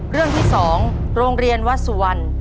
เรื่องที่๒โรงเรียนวัดสุวรรณ